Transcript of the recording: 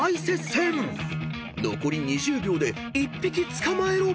［残り２０秒で１匹捕まえろ！］